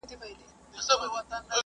هغه ښار په خپله خوښه مغلانو ته تسلیم کړ.